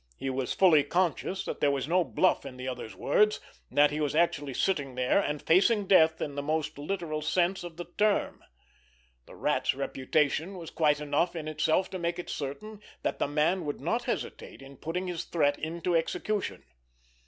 He was fully conscious that there was no bluff in the other's words, that he was actually sitting there and facing death in the most literal sense of the term. The Rat's reputation was quite enough in itself to make it certain that the man would not hesitate in putting his threat into execution.